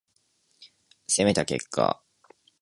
攻めた結果